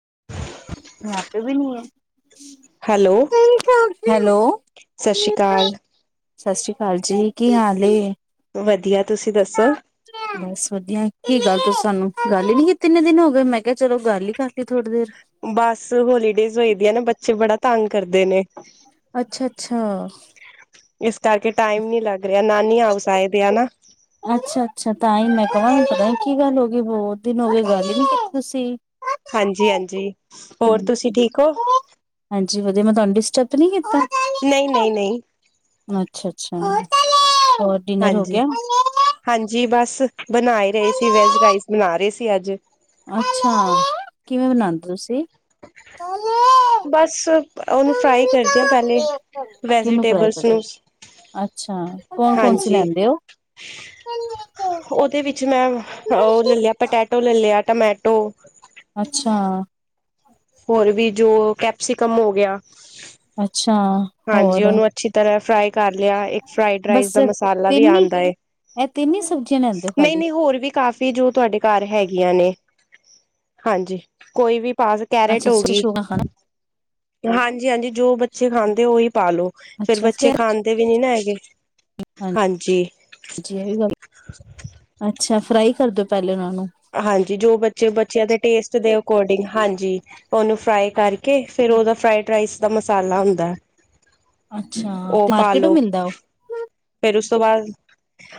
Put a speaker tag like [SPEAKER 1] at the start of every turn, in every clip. [SPEAKER 1] [unintelligible]
[SPEAKER 2] [unintelligible] ਵੀ ਨਹੀਂ ਹੈ
[SPEAKER 1] hello
[SPEAKER 2] hello
[SPEAKER 1] ਸਤਿ ਸ਼੍ਰੀ ਅਕਾਲ
[SPEAKER 2] ਸਤਿ ਸ੍ਰੀ ਅਕਾਲ ਜੀ ਕੀ ਹਾਲੇ
[SPEAKER 1] ਵਧੀਆ ਤੁਸੀਂ ਦੱਸੋ
[SPEAKER 2] ਬਸ ਵਧੀਆ ਕੀ ਗੱਲ ਤੁ ਤੁਹਾਨੂੰ ਗੱਲ ਹੀ ਨੀ ਤੰਨੇ ਦਿਨ ਹੋ ਗਏ ਮੈਂ ਕਿਹਾ ਚਲੋ ਗੱਲ ਹੀ ਕਰਤੀ ਥੋੜ੍ਹੀ ਦੇਰ
[SPEAKER 1] ਬੱਸ ਹੋਲੀਡੇਜ ਹੋਏ ਦੀ ਆ ਨਾ ਬੱਚੇ ਬੜਾ ਤੰਗ ਕਰਦੇ ਨੇ
[SPEAKER 2] ਅੱਛਾ ਅੱਛਾ
[SPEAKER 1] ਇਸ ਕਰਕੇ ਟਾਈਮ ਨੀ ਲੱਗ ਰਿਹਾ ਨਾਨੀ ਆਪਸ ਆਏ ਦੇ ਆ ਨਾ
[SPEAKER 2] ਅੱਛਾ ਅੱਛਾ ਤਾਂ ਹੀ ਮੈਂ ਕਹ ਪਤਾ ਕੀ ਗੱਲ ਹੋ ਗਈ ਹੋ ਦਿਨ ਹੋ ਗਏ ਗੱਲ ਹੀ ਨੀ ਕੀਤੀ ਤੁਸੀਂ
[SPEAKER 1] ਹਾਂਜੀ ਹਾਂਜੀ ਹੋਰ ਤੁਸੀਂ
[SPEAKER 2] ਹ
[SPEAKER 1] ਠੀਕ ਹੋ
[SPEAKER 2] ਹਾਂਜੀ ਵਧੀਆ ਮੈਂ ਤੁਹਾਨੂੰ ਡਿਸਟਰਬ ਨੀ ਕੀਤਾ
[SPEAKER 1] ਨਹੀਂ ਨਹੀਂ ਨਹੀਂ
[SPEAKER 2] ਅੱਛਾ ਅੱਛਾ ਰ ਡਿਨਰ ਹੋ ਗਿਆ
[SPEAKER 1] ਬਣਾਏ ਰਹੇ ਸੀ ਵੈਜ ਰਾਈਸ ਬਣਾ ਰਹੇ ਸੀ ਅੱਜ
[SPEAKER 2] ਅੱਛਾ ਕਿਵੇਂ ਬਣਾਉਦੇ ਤੁਸੀਂ
[SPEAKER 1] ਬਸ ਉਹਨੂੰ ਫਰਾਈ ਕਰਦੇ ਹ ਪਹਿਲੇ
[SPEAKER 2] ਕਿਹਨੂੰ ਫਰਾਈ
[SPEAKER 1] ਵੈਜੀਟੇਬਲਸ
[SPEAKER 2] ਕਰਦੇ
[SPEAKER 1] ਨੂੰ
[SPEAKER 2] ਹੋ? ਅੱਛਾ ਕੌਣ ਕੌਣ ਸੀ
[SPEAKER 1] ਹਾਂਜੀ
[SPEAKER 2] ਲੈਂਦੇ ਹੋ
[SPEAKER 1] ਉਹਦੇ ਵਿੱਚ ਮੈਂ ਉਹ ਲੈ ਲਿਆ ਪਟੈਟੋ ਲੈ ਲਿਆ ਟਮੈਟੋ
[SPEAKER 2] ਅੱਛਾ
[SPEAKER 1] ਹੋਰ ਵੀ ਜੋ ਕੈਪਸੀਕਮ ਹੋ ਗਿਆ
[SPEAKER 2] ਅੱਛਾ ਹੋਰ
[SPEAKER 1] ਹਾਂਜੀ ਉਹਨੂੰ ਅੱਛੀ ਤਰ੍ਹਾਂ ਫਰਾਈ ਕਰ ਲਿਆ ਇੱਕ ਫਰਾਡ
[SPEAKER 2] ਬਸ
[SPEAKER 1] ਰਸ ਦਾ ਮਸਾਲਾ ਵੀ
[SPEAKER 2] ਤਿੰਨ ਹੀ
[SPEAKER 1] ਆਉਂਦਾ ਹੈ
[SPEAKER 2] ਇਹ ਤਿੰਨ ਹੀ ਸਬਜ਼ੀਆਂ ਲੈਂਦੇ ਹੋ
[SPEAKER 1] ਨਹੀਂ
[SPEAKER 2] ਖਾਲੀ
[SPEAKER 1] ਨਹੀਂ ਹੋਰ ਵੀ ਕਾਫੀ ਵੀ ਜੋ ਤੁਹਾਡੇ ਘਰ ਹੈਗੀਆਂ ਨੇ ਹਾਂਜੀ ਕੋਈ ਵੀ ਪਾਸ ਕੈਰੇਟ
[SPEAKER 2] ਅੱਛਾ
[SPEAKER 1] ਹੋ
[SPEAKER 2] ਅੱਛਾ
[SPEAKER 1] ਗਈ
[SPEAKER 2] ਸ਼ੋਕਾ ਖਾਣਾ
[SPEAKER 1] ਹਾਂਜੀ ਹਾਂਜੀ ਜੋ ਬੱਚੇ ਖਾਂਦੇ ਉਹੀ ਪਾਾਲੋ ਫੇਿਰ
[SPEAKER 2] ਅੱਛਾ
[SPEAKER 1] ਬੱਚੇ ਖਾਂਦੇ ਵੀ ਨੀ ਨਾ ਹੈਗੇ ਹਾਂਜੀ
[SPEAKER 2] ਹਾਂਜੀ ਇਹ ਵੀ ਗੱਲ ਅੱਛਾ ਫਰਾਈ ਕਰ ਦਿਓ ਪ
[SPEAKER 1] ਹਾਂਜੀ ਜੋ ਬੱਚੇ ਬੱਚਿਆਂ ਦੇ ਟੇਸਟ ਦੇ ਅਕੋਰਡਿੰਗ ਹਾਂਜੀ ਉਹਨੂੰ ਫਰਾਈ ਕਰਕੇ ਓਕੇ ਫਿਰ ਉਹਦਾ ਫਰਾਈਡ ਰਾਈਸ ਦਾ ਮਸਾਲਾ ਹੁੰਦਾ
[SPEAKER 2] ਅੱਛਾ,
[SPEAKER 1] ਉਹ ਪਾ
[SPEAKER 2] ਮਾਰਕੀਟ ਤੋਂ
[SPEAKER 1] ਲੋ
[SPEAKER 2] ਮਿਲਦਾ ਉਹ
[SPEAKER 1] ਫੇਰ ਉਸ ਤੋਂ ਬਾਅਦ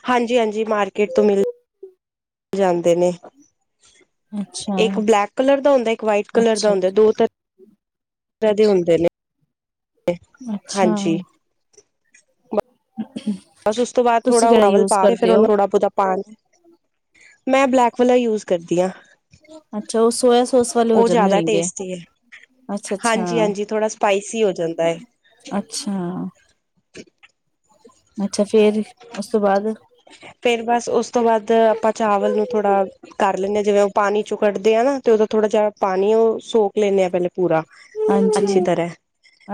[SPEAKER 1] ਹਾਂਜੀ ਹਾਂਜੀ, ਮਾਰਕੀਟ ਤੋਂ ਮਿਲ ਜਾਂਦੇ ਨੇ।
[SPEAKER 2] ਅੱਛਾ
[SPEAKER 1] ਇੱਕ ਬਲੈਕ ਕਲਰ ਦਾ ਹੁੰਦਾ, ਇੱਕ ਵਾਈਟ ਕਲਰ ਦਾ
[SPEAKER 2] ਅੱਛਾ
[SPEAKER 1] ਹੁੰਦਾ, ਦੋ ਤਰ੍ਹਾਂ ਦੋ ਤਰ੍ਹਾਂ ਹੁੰਦੇ ਨੇ।
[SPEAKER 2] ਅੱਛਾ
[SPEAKER 1] ਹਾਂਜੀ। ਬਸ ਉਸ ਤੋਂ ਬਾਦ
[SPEAKER 2] ਤੁਸੀਂ
[SPEAKER 1] ਥੋੜਾ
[SPEAKER 2] ਕਿਹੜਾ
[SPEAKER 1] ਚਾਵਲ
[SPEAKER 2] ਯੂਜ
[SPEAKER 1] ਪਾ ਕੇ ਫੇਰ
[SPEAKER 2] ਕਰਦੇ ਹੋ
[SPEAKER 1] ਉਹਨੂੰ ਬੋਤਾ ਪਾਣੀ ਮੈਂ ਬਲੈਕ ਵਾਲਾ ਯੂਜ ਕਰਦੀ ਆਂ।
[SPEAKER 2] ਅੱਛਾ, ਉਹ ਸੋਆ ਸੋਸ ਵਾਲੇ ਹੋ ਜਾਂਦੇ
[SPEAKER 1] ਜ਼ਿਆਦਾ
[SPEAKER 2] ਹੋਏਗੇ,
[SPEAKER 1] ਟੇਸਟੀ ਹੈ
[SPEAKER 2] ਅੱਛਾ,
[SPEAKER 1] ਹਾਂਜੀ ਹਾਂਜੀ ਥੋੜਾ ਸਪਾਈਸੀ ਹੋ ਜਾਂਦਾ ਹੈ
[SPEAKER 2] ਅੱਛਾ ਅੱਛਾ।
[SPEAKER 1] [unintelligible]
[SPEAKER 2] ਅੱਛਾ ਫੇਰ ਉਸ ਤੋਂ ਬਾਅਦ
[SPEAKER 1] ਫੇਰ ਬਸ ਉਸ ਤੋਂ ਬਾਅਦ ਆਪਾ ਚਾਵਲ ਨੂੰ ਥੋੜਾ ਕ ਡ ਲੈਂਦੇ ਆਂ। ਜਿਵੇਂ ਉਹ ਪਾਣੀ ਚੋਂ ਕਡਦੇ ਆ ਨਾ, ਤੇ ਉਹਦੋ ਥੋੜਾ ਜਿਹਾ ਪਾਨੀ ਉਹ ਸੋਕ ਲੈਂਨੇ ਆ ਪਹਿਲੇ। ਪੂਰਾ
[SPEAKER 2] ਹਾਂਜੀ
[SPEAKER 1] ਅੱਛੀ ਤਰ੍ਹਾਂ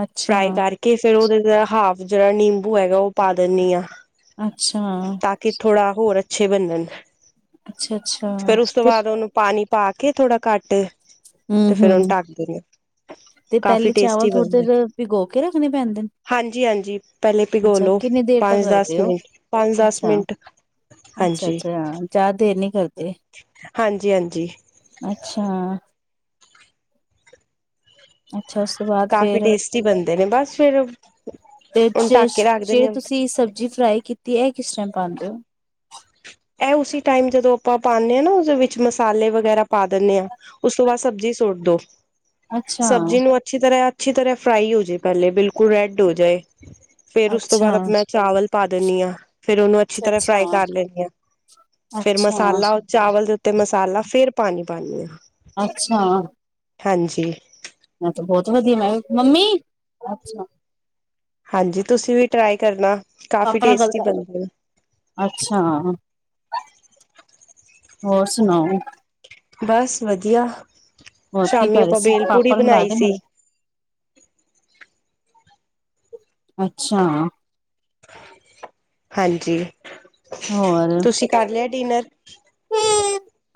[SPEAKER 2] ਅੱਛਾ
[SPEAKER 1] ਫਰਾਈ ਕਰਕੇ ਫੇਰ ਉਹਦੇ ਹਾਫ ਜਿਹੜਾ ਨਿੰਬੂ ਹੈਗਾ ਉਹ ਪਾ ਦਿੰਨੀ ਆ।
[SPEAKER 2] ਅੱਛਾ।
[SPEAKER 1] ਤਾਂ ਕਿ ਥੋੜਾ ਹੋਰ ਅੱਛੇ ਬਨਨ।
[SPEAKER 2] ਅੱਛਾ ਅੱਛਾ
[SPEAKER 1] ਫੇਰ ਉਸ ਤੋਂ
[SPEAKER 2] ਤੇ
[SPEAKER 1] ਬਾਅਦ ਉਹਨੂੰ ਪਾਨੀ ਪਾ ਕੇ ਥੋੜਾ ਘੱਟ
[SPEAKER 2] ਹੂੰ,
[SPEAKER 1] ਤੇ ਫੇਰ ਉਹਨੂੰ
[SPEAKER 2] ਹੂੰ,
[SPEAKER 1] ਢੱਕ ਦਿੰਦੇ
[SPEAKER 2] ਤੇ
[SPEAKER 1] ਕਾਫੀ
[SPEAKER 2] ਪਹਿਲੇ ਚਾਵਲ
[SPEAKER 1] ਟੇਸਟੀ
[SPEAKER 2] ਥੋੜ੍ਹੀ
[SPEAKER 1] ਬਣਦੇ
[SPEAKER 2] ਦੇਰ ਭਿਗੋ ਕੇ ਰੱਖਨੇ ਪੈਂਦੇ।
[SPEAKER 1] [unintelligible] ਪਹਿਲੇ ਭਿਗੋ ਲੋ, ਪੰਜ ਦਸ
[SPEAKER 2] ਓ।
[SPEAKER 1] ਮਿੰਟ ਪੰਜ ਦਸ
[SPEAKER 2] ਅੱਛਾ,
[SPEAKER 1] ਮਿੰਟ
[SPEAKER 2] ਅੱਛਾ,
[SPEAKER 1] ਹਾਂਜੀ
[SPEAKER 2] ਅੱਛਾ ਜ਼ਿਆਦਾ ਦੇਰ ਨੀ ਕਰਦੇ,
[SPEAKER 1] ਹਾਂਜੀ ਹਾਂਜੀ
[SPEAKER 2] ਅੱਛਾ। [unintelligible] ਛਾ, ਉਸ ਤੋਂ ਬਾਅਦ
[SPEAKER 1] ਕਾਫੀ
[SPEAKER 2] ਫੇਰ,
[SPEAKER 1] ਟੇਸਟੀ ਬਣਦੇ ਨੇ ਬਸ ਫਿਰ
[SPEAKER 2] ਤੇ
[SPEAKER 1] ਹੁਣ ਢੱਕ
[SPEAKER 2] ਜੇਸ਼
[SPEAKER 1] ਕੇ ਰੱਖ ਦਿੰਦੇ
[SPEAKER 2] ਜੇ
[SPEAKER 1] ਹਾਂ
[SPEAKER 2] ਤੁਸੀਂ ਸਬਜ਼ੀ ਫਰਾਈ ਕੀਤੀ, ਏ ਕਿਸ ਟਾਈਮ। [unintelligible]
[SPEAKER 1] ਇਹ ਉਸੀ ਟਾਈਮ ਜਦੋਂ ਆਪਾਂ ਪਾਨੇ ਆਂ ਨਾ ਉਹਦੇ ਵਿੱਚ ਮਸਾਲੇ ਵਗੈਰਾ ਪਾ ਦਿੰਨੇ ਆਂ। ਉਸ ਤੋਂ ਬਾਅਦ ਸਬਜ਼ੀ ਸੁੱਟ ਦੋ।
[SPEAKER 2] ਅੱਛਾ
[SPEAKER 1] ਸਬਜ਼ੀ ਨੂੰ ਅੱਛੀ ਤਰ੍ਹਾਂ ਅੱਛੀ ਤਰ੍ਹਾਂ ਫਰਾਈ ਹੋ ਜੇ ਪਹਿਲੇ, ਬਿਲਕੁਲ ਰੈੱਡ ਹੋ ਜਾਏ। ਫੇਰ ਉਸ ਤੋਂ
[SPEAKER 2] ਅੱਛਾ
[SPEAKER 1] ਬਾਅਦ ਅਪ ਚਾਵਲ ਪਾ ਦੇਨੀ ਆਂ, ਫੇਰ ਉਹਨੂੰ ਅੱਛੀ ਤਰ੍ਹਾਂ
[SPEAKER 2] ਅੱਛਾ
[SPEAKER 1] ਫਰਾਈ ਕਰ ਲੈਂ ਫੇਰ
[SPEAKER 2] ਅੱਛਾ ਅੱਛਾ
[SPEAKER 1] ਮਸਾਲਾ, ਚਾਵਲ ਦੇ ਉੱਤੇ ਮਸਾਲਾ ਫੇਰ ਰ ਪਾਣੀ ਪਾਨੀ ਆਂ।
[SPEAKER 2] ਅੱਛਾ।
[SPEAKER 1] ਹਾਂਜੀ।
[SPEAKER 2] ਛਾ।
[SPEAKER 1] ਹਾਂਜੀ, ਤੁਸੀਂ ਵੀ ਟਰਾਈ ਕਰਨਾ। ਕਾਫੀ
[SPEAKER 2] ਪਾਪਾ ਨਾਲ ਗੱਲ
[SPEAKER 1] ਟੇਸਟੀ
[SPEAKER 2] ਕਰ ਲੋ,
[SPEAKER 1] ਬਣਦੇ ਨੇ
[SPEAKER 2] ਅੱਛਾ। ਹੋਰ ਸੁਣਾਓ।
[SPEAKER 1] ਬਸ ਵਧੀਆ।
[SPEAKER 2] ਹੋਰ ਕੀ
[SPEAKER 1] ਸ਼ਾਮੀ
[SPEAKER 2] ਕਰ ਰਹੇ
[SPEAKER 1] ਆਪਾਂ
[SPEAKER 2] ਸੀ ਪਾਪਾ
[SPEAKER 1] ਬੇਲਪੂੜੀ
[SPEAKER 2] ਨੂੰ ਮਿਲਾ
[SPEAKER 1] ਬਨਾਈ
[SPEAKER 2] ਦੇ
[SPEAKER 1] ਸੀ।
[SPEAKER 2] ਮੇਰੇ ਅੱਛਾ।
[SPEAKER 1] ਹਾਂਜੀ।
[SPEAKER 2] ਹੋਰ
[SPEAKER 1] ਤੁਸੀਂ ਕਰ ਲਿਆ ਡਿਨਰ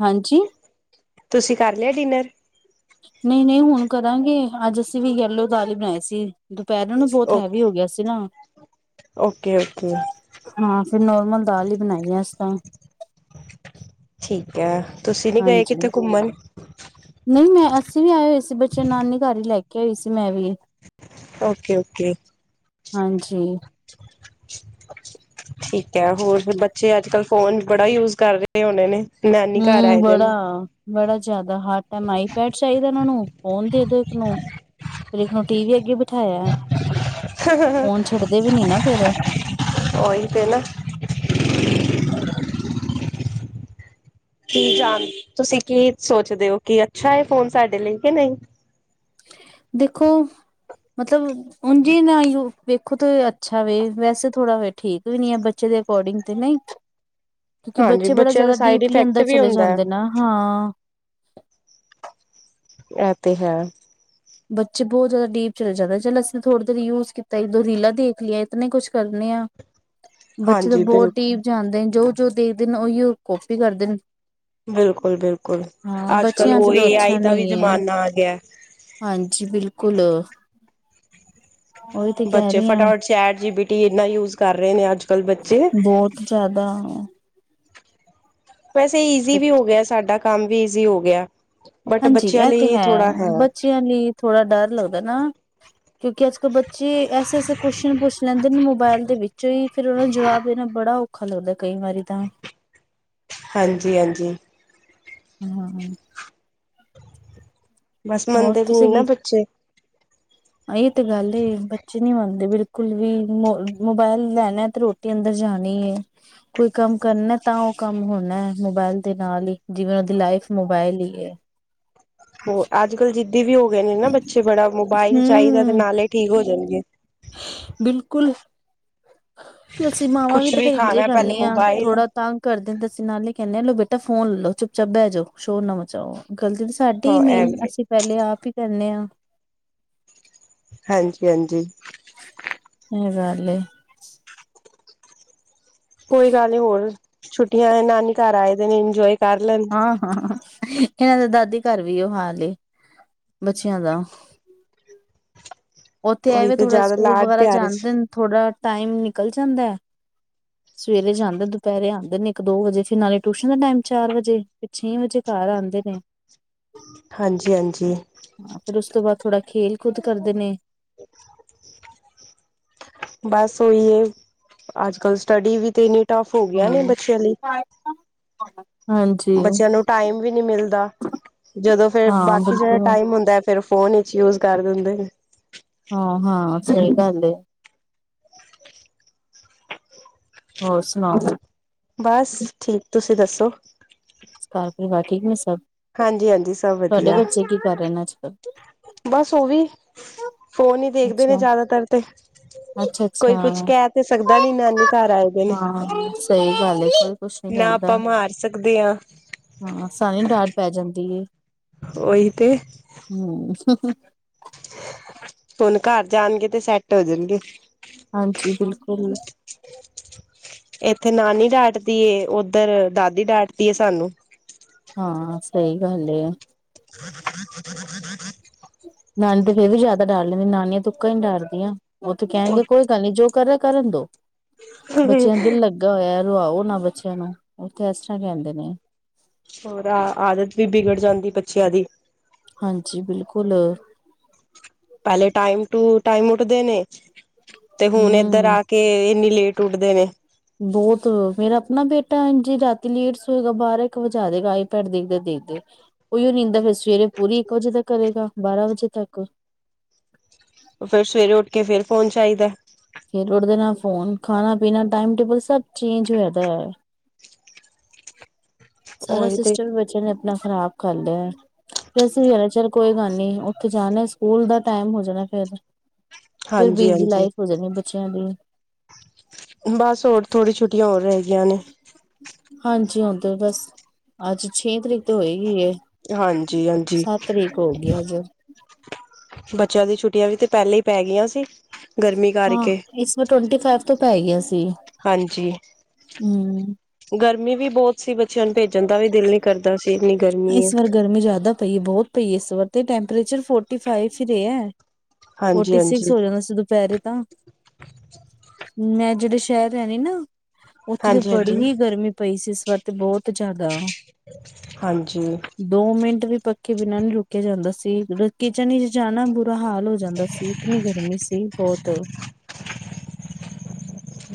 [SPEAKER 2] ਹਾਂਜੀ
[SPEAKER 1] ਤੁਸੀਂ ਕਰ ਲਿਆ ਡਿਨਰ
[SPEAKER 2] ਨਹੀਂ ਨਹੀਂ ਹੁਣ ਕਰਾਂਗੇ ਅੱਜ ਅਸੀਂ ਵੀ ਯਲੋ ਦਾਲ ਹੀ ਬਣਾਈ ਸੀ ਪਹਿਰਣ ਨੂੰ ਬਹੁਤ
[SPEAKER 1] ਓ
[SPEAKER 2] ਹੈਵੀ ਹੋ ਗਿਆ ਸੀ ਨਾ
[SPEAKER 1] ਓਕੇ ਓਕੇ
[SPEAKER 2] ਹਾਂ ਫਿਰ ਨੋਰਮਲ ਦਾਲ ਹੀ ਬਣਾਈਏ ਅਸੀਂ ਤਾਂ
[SPEAKER 1] ਠੀਕ ਹੈ ਤੁਸੀਂ ਨਹੀਂੀ ਗਏ ਕਿੱਥੇ ਘੁੰਮਣ
[SPEAKER 2] ਨਹੀਂ ਮੈਂ ਅਸੀਂ ਵੀ ਆਏ ਹੋਏ ਸੀ ਬੱਚੇ ਨਾਨੀ ਘਰ ਹੀ ਲੈ ਕੇ ਆਈ ਸੀ ਮੈਂ ਵੀ
[SPEAKER 1] ਓਕੇ ਓਕੇ
[SPEAKER 2] ਹਾਂਜੀ
[SPEAKER 1] ਠੀਕ ਹੈ ਹੋਰ ਫ ਬੱਚੇ ਅੱਜ ਕਲ੍ਹ ਫੋਨ ਬੜਾ ਯੂਜ ਕਰ ਰਹੇ ਹੋਣੇ ਨੇ ਨਾਨੀ ਘਰ
[SPEAKER 2] ਹਮ
[SPEAKER 1] ਆਏ ਦੇ
[SPEAKER 2] ਬੜਾ
[SPEAKER 1] ਨੇ
[SPEAKER 2] ਬੜਾ ਜ਼ਿਆਦਾ ਹਰ ਟਾਈਮ ਆਈਪੈਡ ਚਾਹੀਦਾ ਇਹ ਨੂੰ ਫੋਨ ਦੇ ਦੋ ਇੱਕ ਨੂੰ ਫਿਰ ਇੱਕ ਨੂੰ ਟੀ ਵੀ ਅੱਗੇ ਬਿਠਾਇਆ
[SPEAKER 1] [unintelligible]
[SPEAKER 2] ਫੋਨ ਛੱਡਦੇ ਵੀ ਨੀ ਨਾ ਫੇਰ
[SPEAKER 1] ੳਹੂੀ ਤੇ ਨਾ
[SPEAKER 2] ਹੂੰ,
[SPEAKER 1] ਕੀ ਜਾਣ ਤੁਸੀਂ ਕੀ ਸੋਚਦੇ ਹੋ ਕਿ ਅੱਛਾ ਹੈ ਫੋਨ ਸਾਡੇ ਲਈ ਕਿ ਨਹੀਂ
[SPEAKER 2] ਦੇਖੋ ਮਤਲਬ ਉਝ ਨਾ ਵੇਖੋ ਤੇ ਅੱਛਾ ਵੇ ਵੈਸੇ ਥੋੜਾ ਠੀਕ ਵੀ ਨੀ ਹੈ ਬੱਚੇ ਦੇ ਅਕੋਰਡਿੰਗ ਤੇ ਨਹੀਂ ਕਿਉਂਕਿ
[SPEAKER 1] ਹਾਂਜੀ
[SPEAKER 2] ਬੱਚੇ ਬੜਾ
[SPEAKER 1] ਬੱਚਿਆਂ ਦਾ
[SPEAKER 2] ਜ਼ਿਆਦਾ
[SPEAKER 1] ਸਾਈਡ
[SPEAKER 2] ਡੀਪਲੀ
[SPEAKER 1] ਇਫੈਕਟ
[SPEAKER 2] ਅੰਦਰ
[SPEAKER 1] ਵੀ
[SPEAKER 2] ਚਲੇ
[SPEAKER 1] ਹੁੰਦਾ
[SPEAKER 2] ਜਾਂਦੇ ਨਾ ਹਾਂ [unintelligible]
[SPEAKER 1] ਇ ਤੇ ਹੈਾਂ
[SPEAKER 2] ਬੱਚੇ ਬਹੁਤ ਜ਼ਿਆਦਾ ਡੀਪ ਚਲੇ ਜਾਂਦੇ ਚੱਲ ਅਸੀਂ ਤਾਂ ਥੋੜ੍ਹੀ ਦੇਰ ਯੂਜ ਕੀਤਾ ਇਦੋਂ ਰੀਲਾਂ ਦੇਖ ਲਈੀਆਂ ਇਤੇ ਕੁਛ ਕਰਨੇ ਆ ਬੱਚੇ ਤਾਂ
[SPEAKER 1] ਹਾਂਜੀ
[SPEAKER 2] ਬਹੁਤ
[SPEAKER 1] ਬਿਲਕੁਲ
[SPEAKER 2] ਦੀਪ ਜਾਂਦੇ ਜੋ ਜੋ ਦੇਖਦੇ ਉਹੀ ਕਾਪੀ ਕਰਦੇ ਨੇ
[SPEAKER 1] ਬਿਲਕੁਲ ਬਿਲਕੁਲ
[SPEAKER 2] ਹਾਂ
[SPEAKER 1] ਅੱਜ ਕਲ
[SPEAKER 2] ਬੱਚਿਆਂ ਚ
[SPEAKER 1] ਉਹ
[SPEAKER 2] ਤਾਂ
[SPEAKER 1] ਏ
[SPEAKER 2] ਅੱਛਾ
[SPEAKER 1] ਆਈ ਦਾ ਵੀ
[SPEAKER 2] ਨਹੀਂ ਹੈ
[SPEAKER 1] ਜ਼ਮਾਨਾ ਆ ਗਿਆ
[SPEAKER 2] ਹਾਂਜੀ ਬਿਲਕੁਲ ਉਹੀ ਤੇ ਕਹਿ
[SPEAKER 1] ਬੱਚੇ
[SPEAKER 2] ਰਹੀ ਹਾਂ
[SPEAKER 1] ਫਟਾਫਟ ਚੈਟ ਜੀਬੀ ਟੀ ਇਨਾ ਯੂਜ ਕਰ ਰਹੇ ਨੇ ਅੱਜ ਕੱਲ੍ਹ ਬੱਚੇ
[SPEAKER 2] ਬਹੁਤ ਜ਼ਿਆਦਾ
[SPEAKER 1] ਵੈਸੇ ਈਜ਼ੀ ਵੀ ਹੋ ਗਿਆ ਸਾਡਾ। ਕੰਮ ਵੀ ਈਜ਼ੀ ਹੋ ਗਿਆ। ਬਟ
[SPEAKER 2] ਹਾਂਜੀ
[SPEAKER 1] ਬੱਚਿਆਂ
[SPEAKER 2] ਇਹ ਤੇ
[SPEAKER 1] ਲਈ
[SPEAKER 2] ਹੈ,
[SPEAKER 1] ਥੋੜਾ
[SPEAKER 2] ਬੱਚਿਆਂ ਲਈ ਥੋੜਾ ਡਰ ਲੱਗਦਾ ਨਾ। ਕਿਉਂਕਿ ਅੱਜ ਕੱਲ੍ਹ ਬੱਚੇ ਐਸੇ ਐਸੇ ਕੋਸ਼ਚਨ ਪੁੱਛ ਲੈਂਦੇ ਨੇ ਮੋਬਾਇਲ ਦੇ ਵਿੱਚੋਂ ਹੀ, ਫਿਰ ਉਹ ਨੂੰ ਜਵਾਬ ਦੇਣਾ ਬੜਾ ਔਖ ਔਖਾ ਲੱਗਦਾ ਕਈ ਵਾਰੀ ਤਾਂ।
[SPEAKER 1] ਹਾਂਜੀ ਹਾਂਜੀ
[SPEAKER 2] ਹਮ ਹਮ ਹਮ
[SPEAKER 1] ਬਸ
[SPEAKER 2] ਹੋਰ
[SPEAKER 1] ਮੰਨਦੇ ਵੀ ਨਾ ਬੱਚੇ।
[SPEAKER 2] ਆ ਇਹ ਤੇ ਗੱਲ ਏ, ਬੱਚੇ ਨੀ ਮੰਨਦੇ ਬਿਲ ਕੁਲ ਵੀ ਮ ਮੋਬਾਇਲ ਲੈਣਾ ਤੇ ਰੋਟੀ ਅੰਦਰ ਜਾਣੀ ਏ, ਕੋਈ ਕੰਮ ਕਰਨਾ ਤਾਂ ਉਹ ਕੰਮ ਹੋਣਾ ਏ ਮੋਬਾਇਲ ਦੇ ਨਾਲ ਹੀ, ਜਿਵੇਂ ਉਹ ਦੀ ਲਾਈਫ ਮੋਬਾਇਲ ਹੀ ਹੈ।
[SPEAKER 1] ਹੋ, ਅੱਜ ਕੱਲ੍ਹ ਜਿੱਦ ਵੀ ਹੋ ਗਏ ਨੇ ਨਾ ਬੱਚੇ ਬੜਾ, ਮੋਬਾਈਲ ਚਾਹੀਦਾ ਤੇ
[SPEAKER 2] ਹਮ
[SPEAKER 1] ਨਾਲੇ ਠੀਕ ਹੋ ਜਾਂਦੇ। ਜੀ
[SPEAKER 2] ਬਿਲਕੁਲ ਫਰ ਅਸੀਂ ਮਾਵਾਂ ਵੀ
[SPEAKER 1] ਕੁਛ
[SPEAKER 2] ਤੇ ਫੇਰ ਇੰਝੇ ਜੀ
[SPEAKER 1] ਖਾਣਾ ਪਹਿਲੇ
[SPEAKER 2] ਕਰਨੇ ਹਾਂ,
[SPEAKER 1] ਮੋਬਾਇਲ
[SPEAKER 2] ਥੋੜਾ ਤੰਗ ਕਰਦੇ ਤੇ ਅਸੀਂ ਨਾਲ ਹੀ ਕਹਿੰਦੇ ਹਾਂ ਲੋ ਬੱਚ ਬੇਟਾ ਫੋਨ ਲਲੋ ਚੁਪ-ਚਾਪ ਬਹਿਜੋ, ਸ਼ੋਰ ਨਾ ਮਚਾਓ। ਗਲਤੀ ਤਾਂ ਸਾਡੀ ਏ
[SPEAKER 1] ਹਾਂ
[SPEAKER 2] ਮੇਨ,
[SPEAKER 1] ਐਵੇ
[SPEAKER 2] ਅਸੀਂ ਪਹਿਲੇ ਆਪ ਹੀ ਕਰਨੇ ਆ।
[SPEAKER 1] ਹਾਂਜੀ- ਹਾਂਜੀ
[SPEAKER 2] ਇਹ ਗੱਲ ਏ
[SPEAKER 1] ਕੋਈ ਗੱਲ ਨਹੀ ਹੋਰ, ਛੁੱਟੀਆਂ ਏ ਨਾਨੀ ਘਰ ਆਏ ਦੇ ਨੇ ਇੰਜੋਏ- ਕਰ ਲੈਣ
[SPEAKER 2] ਹਾਂ, ਹਾਂ ਇਹਨਾਂ ਦਾ ਦਾਦੀ ਘਰ ਵੀ ਉਹ ਹਾਲ ਏ, ਬੱਚਿਆਂ ਦਾ। ਉੱਥੇ ਇਹ
[SPEAKER 1] ਉਹੀ
[SPEAKER 2] ਵੇ
[SPEAKER 1] ਤੇ
[SPEAKER 2] ਥੋੜ੍ਹਾ
[SPEAKER 1] ਜ਼ਿਆਦਾ
[SPEAKER 2] ਸਕੂਲ
[SPEAKER 1] ਲਾਡ
[SPEAKER 2] ਵਗੈਰਾ
[SPEAKER 1] ਪਿਆਰ ਚ
[SPEAKER 2] ਜਾਂਦੇ, ਥੋੜਾ- ਟਾਈਮ ਨਿਕਲ ਜਾਂਦਾ, ਸਵੇਰੇ ਜਾਂਦੇ, ਦੁਪਹਿਰੇ ਆਉਂਦੇ ਨੇ ਇੱਕ, ਦੋ ਵਜੇ, ਫਿਰ ਨਾਲੇ ਟਿਊਸ਼ਨ ਦਾ ਟਾਈਮ ਚਾਰ ਵਜੇ, ਫਿਰ ਛੇ ਵਜੇ ਘਰ ਆਉਂਦੇ ਨੇ।
[SPEAKER 1] ਹਾਂਜੀ -ਹਾਂਜੀ
[SPEAKER 2] ਹਾਂ ਫਿਰ ਉਸ ਤੋਂ ਬਾਅਦ ਥੋੜਾ ਖੇਲ, ਕੂਦ ਕਰਦੇ ਨੇ-
[SPEAKER 1] ਬਸ ਉਹੀ ਹਿ, ਅੱਜ ਕੱਲ੍ਹ ਸਟੱਡੀ ਵੀ ਤੇ ਇੰਨੀ- ਟ‌ੱਫ ਹੋਗਿਆ ਇਹ ਬੱਚਿਆਂ ਲਈ।
[SPEAKER 2] ਹਾਂ ਹਾਂਜੀ
[SPEAKER 1] ਬੱਚਿਆਂ ਨੂੰ ਟਾਈਮ ਵੀ ਨੀ ਮਿਲਦਾ, ਜਦੋਂ ਫੇਰ
[SPEAKER 2] ਹਾਂ
[SPEAKER 1] ਬਾਕੀ ਜਿਹੜਾ
[SPEAKER 2] ਬਿਲਕੁਲ
[SPEAKER 1] ਟਾਈਮ ਹੁੰਦਾ ਫਿਰ ਫੋਨ ਵਿਚ ਯੂਜ਼ ਕਰ ਦਿੰਦੇ ਨੇ।
[SPEAKER 2] ਹਾਂ- ਹਾਂ ਸਹੀ ਗੱਲ ਹੈ। ਹੋਰ ਸੁਣਾਓ ਫ
[SPEAKER 1] ਬਸ, ਠੀਕ। ਤੁਸੀਂ ਦੱਸੋ?
[SPEAKER 2] ਘਰ ਪਰਿਵਾਰ ਠੀਕ ਨੇ ਸਭ?
[SPEAKER 1] ਹਾਂਜੀ ਹਾਂਜੀ ਸਭ
[SPEAKER 2] ਤੁਹਾਡੇ
[SPEAKER 1] ਵਧੀਆ
[SPEAKER 2] ਬੱਚੇ ਕੀ ਕਰ ਰਹੇ ਨੇ ਅੱਜ ਕੱਲ
[SPEAKER 1] ਬਸ ਉਹ ਵੀ ਫੋਨ ਹੀ ਦੇਖਦੇ ਨੇ
[SPEAKER 2] ਅੱਛਾ
[SPEAKER 1] ਜ਼ਿਆਦਾਤਰ ਤੇ
[SPEAKER 2] ਅੱਛਾ
[SPEAKER 1] ਕੋਈ
[SPEAKER 2] ਅੱਛਾ
[SPEAKER 1] ਕੁਛ ਕਹਿ ਤੇ ਸਕਦਾ ਨੀ ਨਾਨੀ ਘਰ ਆਏ ਗ ਨੇ
[SPEAKER 2] ਹਾਂ ਸਹੀ ਗੱਲ ਏ ਕੋਈ ਕੁਛ ਨੀ
[SPEAKER 1] ਨਾ ਆਪਾਂ
[SPEAKER 2] ਕਹਿੰਦਾ
[SPEAKER 1] ਮਾਰ ਸਕਦੇ ਹ
[SPEAKER 2] ਹਾਂ ਸਾਨੂੰ ਡਾਂਟ ਪੈ ਜਾਂਦੀ
[SPEAKER 1] ਓਹੀ ਤੇ
[SPEAKER 2] ਹਮ ਹੂੰ
[SPEAKER 1] ਹੁਣ ਘਰ ਜਾਣਗੇ ਤੇ ਸੈੱਟ ਹੋ ਜਾਣਗੇ
[SPEAKER 2] ਹਾਂਜੀ ਬਿਲਕੁਲ
[SPEAKER 1] ਇੱਥੇ ਨਾਨੀ ਡਾਟਦੀ ਓਧਰ ਦਾਦੀ ਡਾਟਦੀ ਸਾਨੂੰ
[SPEAKER 2] ਹਾਂ ਸਹੀ ਗੱਲ
[SPEAKER 1] [inaudible] [inaudible]
[SPEAKER 2] ਦਾਦੀ ਤੇ ਫੇਰ ਵੀ ਜ਼ਿਆਦਾ ਡਾਟ ਲੈਂਦੀ ਨਾਨੀਆਂ ਤਾਂ ਉੱਕਾ ਹੀ ਡਰਦੀਆਂ ਉਹ ਤੇ ਕਹਿਣਗੇ ਕੋਈ ਗੱਲ ਨੀ ਜੋ ਕਰਨ ਕਰਨ ਦੌ ਬੱਚਿਆਂ ਦਿਲ ਲੱਗਾ ਹੋਇਆ ਰਵਾਓ ਨਾ ਬੱਚਿਆਂ ਨੂੰ ਉੱਥੇ ਇਸ ਤਰ੍ਹਾਂ ਕਹਿੰਦੇ ਨੇ
[SPEAKER 1] ਹੋਰ ਆ ਆਦਤ ਵੀ ਬਿਗੜ ਜਾਂਦੀ ਬੱਚਿਆਂ ਦੀ
[SPEAKER 2] ਹਾਂਜੀ ਬਿਲਕੁਲ
[SPEAKER 1] ਪਹਿਲੇ ਟਾਈਮ ਟੂ ਟਾਈਮ ਉਠ ਦੇ ਨੇ ਤੇ ਹੁਣ ਇੱਧਰ
[SPEAKER 2] ਹਮ
[SPEAKER 1] ਆ ਕੇ ਇਨੀ ਲੇਟ ਉੱਡਦੇ ਨੇ
[SPEAKER 2] ਬਹੁਤ ਮੇਰਾ ਆਪਣਾ ਬੇਟਾ ਜੀ ਰਾਤੀ ਲੇਟ ਸੋਏਗਾ ਬਾਰਾਂ ਇੱਕ ਵਜੇ ਆ ਜਾਗਾ ਆਈਪੈਡ ਦੇਖਦੇ ਦੇਖਦੇ ਉਓ ਨੀਂਦਾ ਫਿਰ ਸਵੇਰੇ ਪੂਰੀ ਇੱਕ ਵਜੇ ਤੱਕ ਕਰੇਗਾ ਬਾਰਾਂ ਵਜੇ ਤੱਕ
[SPEAKER 1] ਫਿਰ ਸਵੇਰੇ ਉੱਠ ਕੇ ਫਿਰ ਫੋਨ ਚਾਹੀਦਾ
[SPEAKER 2] ਫੇਰ ਉੱਠਦੇ ਨਾਲ ਫੋਨ ਖਾਣਾ ਪੀਣਾ ਟਾਈਮ ਟੇਬਲ ਸਭ ਚੇਂਜ ਹੋ ਜਾਂਦਾ ਹੈ ਸਾਰਾ
[SPEAKER 1] ਉਹੀ ਤੇ
[SPEAKER 2] ਸਿਸਟਮ ਬੱਚਿਆਂ ਨੇ ਆਪਣਾ ਖ਼ਰਾਬ ਕਰ ਲਿਆ ਫ਼ਿਰ ਅਸੀਂ ਚੱਲ ਕੋਈ ਗੱਲ ਨੀ ਉੱਥੇ ਜਾਣਾ ਸਕੂਲ ਦਾ ਟਮ ਹੋ ਜਾਣਾ ਫਿਰ ਫੇਿਰ
[SPEAKER 1] ਹਾਂਜੀ
[SPEAKER 2] ਬਿਜ਼ੀ
[SPEAKER 1] ਹਾਂਜੀ
[SPEAKER 2] ਲਾਈਫ ਹੋ ਜਾਣੀ ਬੱਚਿਆਂ ਦੀ
[SPEAKER 1] ਬਸ ਹੋਰ ਥੋੜੀ ਛੁੱਟੀ ਹੋ ਰਹੀ ਗਈਆ ਨੇ
[SPEAKER 2] ਹਾਂਜੀ ਹਦੇ ਬਸ ਅੱਜ ਛੇ ਤਰੀਕ ਤੋਂ ਹੋਏਗੀ
[SPEAKER 1] ਹਾਂਜੀ ਹਾਂਜੀ
[SPEAKER 2] ਸੱਤ ਤਰੀਕ ਹੋ ਗਈ ਅੱਜ
[SPEAKER 1] ਬੱਚਿਆਂ ਦੀ ਛੁ ਟੀਆਂ ਵੀ ਤੇ ਪਹਿਲਾਂ ਹੀ ਪੈ ਗਈਆਂ ਸੀ ਗਰਮੀ
[SPEAKER 2] ਹਾਂ
[SPEAKER 1] ਕਰਕੇ
[SPEAKER 2] ਇਸ ਵਾਰ ਟਵੰਟੀ ਫਾਈਵ ਤੋਂ ਪੈ ਗਿਆ ਸੀ
[SPEAKER 1] ਹਾਂਜੀ
[SPEAKER 2] ਹਮ
[SPEAKER 1] ਗਰ ਮੀ ਵੀ ਬਹੁਤ ਸੀ ਬੱਚਿਆਂ ਨੂੰ ਭੇਜਣ ਦਾ ਵੀ ਦਿਲ ਨ ਕਰਦੀ
[SPEAKER 2] ਇਸ ਵਾਰ ਗਰਮੀ ਜ਼ਿਆਦਾ ਪਈ ਹੈ ਬਹੁਤ ਤੇ ਇਸ ਵਾਰ ਤੇ ਟੈਂਪਰੇਚਰ ਫੋਰਟੀ ਫਾਈਵ ਹੀ ਰਿਹਾ ਹੈ।
[SPEAKER 1] ਹਾਂਜੀ
[SPEAKER 2] ਫੋਟੀ ਸਿਕਸ
[SPEAKER 1] ਹਾਂਜੀ
[SPEAKER 2] ਹੋ ਜਾਂਦਾ ਸੀ ਦੁਪਹਿਰੇ ਤਾਂ। ਮੈਂ ਜਿਹੜੇ ਸ਼ਹਿਰ ਰਹਿ ਰਹੀ ਹਾਂ ਨਾ। ਉੱਥੇ ਤੇ
[SPEAKER 1] ਹਾਂਜੀ
[SPEAKER 2] ਬੜੀ
[SPEAKER 1] ਹਾਂਜੀ
[SPEAKER 2] ਹੀ ਗਰਮੀ ਪਈ ਸੀ। ਇੱਥੇ ਬਹੁਤ ਜ਼ਿਆਦਾ।
[SPEAKER 1] ਹਾਂਜੀ।
[SPEAKER 2] ਦੋ ਮਿੰਟ ਵੀ ਪੱਖੇ ਬਿਨਾਂ ਨੀ ਰੁਕਿਆ ਜਾਂਦਾ ਸੀ ਕਿਚਨ ਵਿੱਚ ਜਾਣਾ ਬੁਰਾ ਹਾਲ ਹੋ ਜਾਂਦਾ ਸੀ ਇਤਨੀ ਗਰਮੀ ਸੀ ਬਹੁਤ।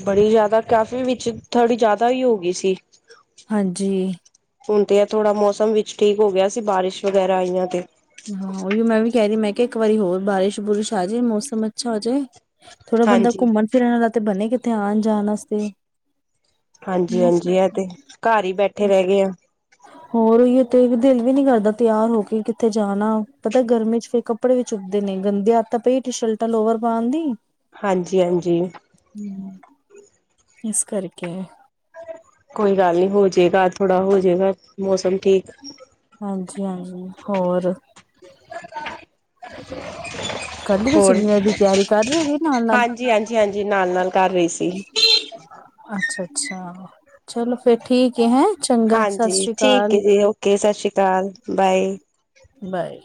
[SPEAKER 1] ਬੜੀ ਜਿਆਦਾ ਕਾਫੀ ਵਿੱਚ ਥੋੜੀ ਜਿਆਦਾ ਹੀ ਹੋ ਗਈ ਸੀ।
[SPEAKER 2] ਹਾਂਜੀ।
[SPEAKER 1] ਹੁਣ ਤੇ ਆ ਥੋੜਾ ਮੌਸਮ ਵਿੱਚ ਠੀਕ ਹੋ ਗਿਆ ਸੀ ਬਾਰਿਸ਼ ਵਗੈਰਾ ਆਈਆਂ ਤੇ।
[SPEAKER 2] ਹਾਂ ਉਹੀ ਮੈਂ ਵੀ ਕਹਿ ਰਹੀ ਮੈਂ। ਇੱਕ ਵਾਰੀ ਹੋਰ ਬਾਰਿਸ਼ ਬੁਰਿਸ਼ ਆ ਜਾਏ ਮੌਸਮ ਅੱਛਾ ਹੋ ਜਾਏ। ਥੋੜਾ ਬੰਦਾ
[SPEAKER 1] ਹਾਂਜੀ।
[SPEAKER 2] ਘੁੰਮਣ ਫਿਰਨ ਆਲਾ ਤੇ ਬਣੇਗਾ। ਧਿਆਨ ਜਾਣ ਵਾਸਤੇ।
[SPEAKER 1] ਹਾਂਜੀ ਹਾਂਜੀ ਆ ਤੇ
[SPEAKER 2] ਮੌਸਮ
[SPEAKER 1] ਘਰ ਹੀ ਬੈਠੇ ਰਹਿ ਗਏ ਆ।
[SPEAKER 2] ਹੋਰ ਉਹੀ ਤੇ ਦਿਲ ਵੀ ਨੀ ਕਰਦਾ ਤਿਆਰ ਹੋ ਕੇ ਕਿੱਥੇ ਜਾਣਾ ਪਤਾ ਗਰਮੀ ਚ ਫਿਰ ਕੱਪੜੇ ਵੀ ਚੁੱਕਦੇ ਨੇ ਗੰਦੀ ਆਦਤ ਪਈ ਟੀ ਸ਼ਰਟਾਂ ਲੋਵਰ ਪਾਉਣ ਦੀ।
[SPEAKER 1] ਹਾਂਜੀ ਹਾਂਜੀ।
[SPEAKER 2] ਹੂੰ, ਇਸ ਕਰਕੇ।
[SPEAKER 1] ਕੋਈ ਗੱਲ ਨਹੀ ਹੋਜੇਗਾ ਥੋੜਾ ਹੋਜਏਗਾ ਮੌਸਮ ਠੀਕ।
[SPEAKER 2] ਹਾਂਜੀ ਹਾਂਜੀ ਹੋਰ। ਕਰ ਲਈ ਤੁਸੀਂ
[SPEAKER 1] ਹੋਰ
[SPEAKER 2] ਡਿਨਰ ਦੀ ਤਿਆਰੀ ਕਰ ਰਹੇ ਹੋ ਵੀ ਨਾਲ ਨਾਲ
[SPEAKER 1] ਹਾਂਜੀ ਹਾਂਜੀ ਹਾਂਜੀ ਨਾਲ ਨਾਲ ਕਰ ਰਹੀ ਸੀ।
[SPEAKER 2] ਅੱਛਾ ਅੱਛਾ ਚਲੋ ਫੇਰ ਠੀਕ ਹੈ ਹੈ।
[SPEAKER 1] ਹਾਂਜੀ ਠੀਕ ਹੈ ਜੀ ਓਕੇ ਸਤਿ ਸ਼੍ਰੀ ਅਕਾਲ ਬਾਏ।
[SPEAKER 2] ਬਾਏ